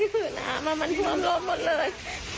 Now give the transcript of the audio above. คือน้ำมันหว่ำรอบหมดเลย